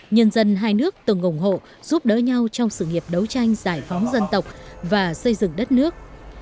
nhân dân hai nước từng ủng hộ giúp đỡ nhau trong sự nghiệp đấu tranh giải phóng dân tộc và xây dựng đất nước